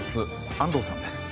安藤さんです。